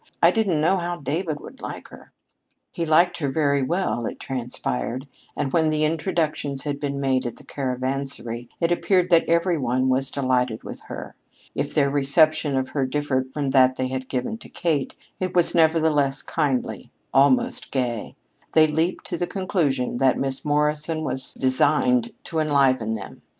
I didn't know how David would like her." He liked her very well, it transpired, and when the introductions had been made at the Caravansary, it appeared that every one was delighted with her. If their reception of her differed from that they had given to Kate, it was nevertheless kindly almost gay. They leaped to the conclusion that Miss Morrison was designed to enliven them.